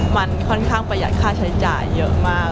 มันค่อนข้างประหยัดค่าใช้จ่ายเยอะมาก